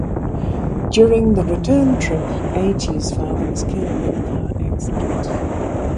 During the return trip, Agee's father was killed in a car accident.